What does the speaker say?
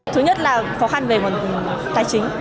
thứ nhất là khó khăn